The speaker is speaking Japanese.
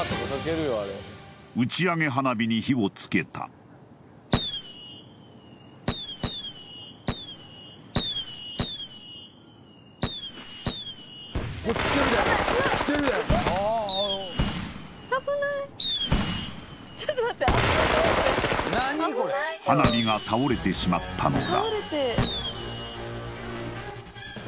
打ち上げ花火に火をつけた花火が倒れてしまったのだ